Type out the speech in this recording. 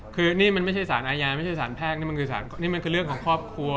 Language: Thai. คือนี่มันไม่ใช่สารอายานไม่ใช่สารแพทย์นี่มันคือเรื่องของครอบครัว